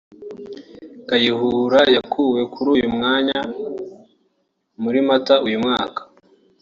Kayihurayakuwe kuri uyu mwanya muri Mata uyu mwaka